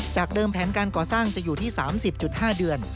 เดิมแผนการก่อสร้างจะอยู่ที่๓๐๕เดือน